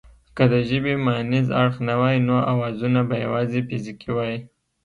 که د ژبې مانیز اړخ نه وای نو اوازونه به یواځې فزیکي وای